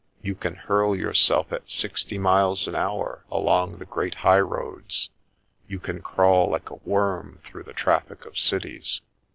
You can hurl yourself at sixty miles an hour along the great highroads, you can crawl like a worm through the traffic of cities."